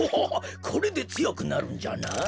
これでつよくなるんじゃな。